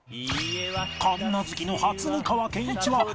神奈月の初美川憲一はできる？